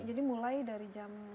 jadi mulai dari jam